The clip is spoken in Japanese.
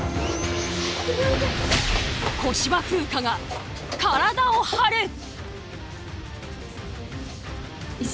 小芝風花が体を張る！